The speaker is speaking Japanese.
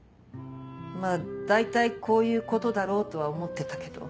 まぁ大体こういうことだろうとは思ってたけど。